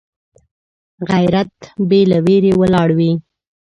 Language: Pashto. غیرت بې له ویرې ولاړ وي